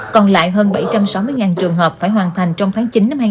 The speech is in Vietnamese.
còn lại hơn bảy trăm sáu mươi trường hợp phải hoàn thành trong tháng chín năm hai nghìn hai mươi